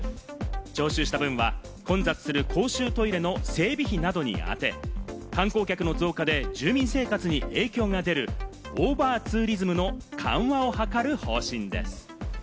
徴収した分は混雑する公衆トイレの整備費などにあて、観光客の増加で住民生活に影響が出る、オーバーツーリズムの緩和を図る方針です。